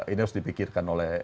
ini harus dipikirkan oleh